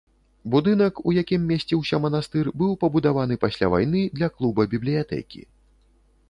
Будынак, у якім месціўся манастыр, быў пабудаваны пасля вайны для клуба-бібліятэкі.